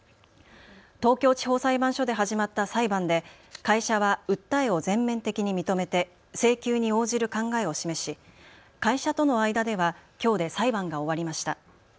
東京地方裁判所で始まった裁判で会社は訴えを全面的に認めて請求に応じる考えを示し会社との間ではきょうで裁判が終わりました。